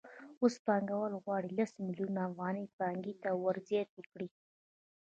اوس پانګوال غواړي لس میلیونه افغانۍ پانګې ته ورزیاتې کړي